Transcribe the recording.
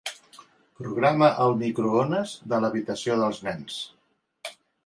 Programa el microones de l'habitació dels nens.